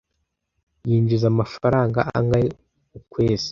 Yinjiza amafaranga angahe ukwezi?